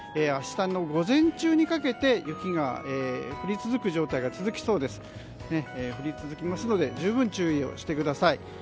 明日の午前中にかけて雪が降り続く状態が続きそうですので十分注意してください。